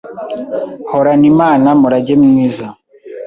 Horana Imana murage mwiza